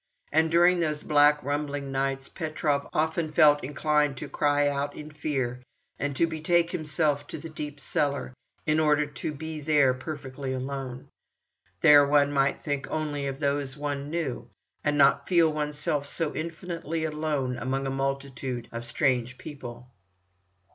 And during those black, rumbling nights Petrov often felt inclined to cry out in fear, and to betake himself to the deep cellar, in order to be there perfectly alone. There one might think only of those one knew, and not feel oneself so infinitely alone among a multitude of strange people.